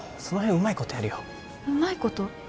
その辺はうまいことやるようまいこと？